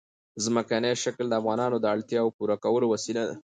ځمکنی شکل د افغانانو د اړتیاوو د پوره کولو وسیله ده.